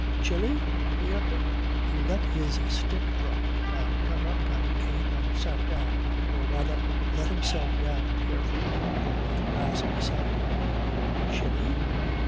"Chilly?" he echoed. He let his stick drop, and got up and came and sat down, or rather let himself down carefully, on the grass beside her. "Chilly?